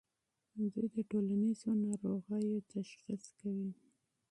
دوی د ټولنیزو ناروغیو تشخیص کوي.